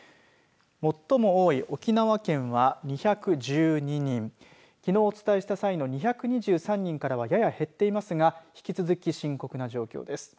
最も多い沖縄県は２１２人きのうお伝えした際の２２３人からはやや減っていますが引き続き深刻な状況です。